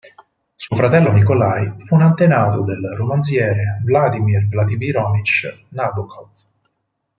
Suo fratello Nikolaj fu un antenato del romanziere Vladimir Vladimirovič Nabokov.